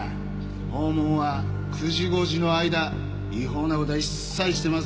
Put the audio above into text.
訪問は９時５時の間違法な事は一切してませんが？